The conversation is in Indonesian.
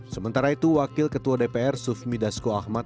sementara itu wakil ketua dpr sufmi dasko ahmad